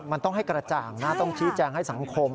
มันต้องให้กระจ่างนะต้องชี้แจงให้สังคม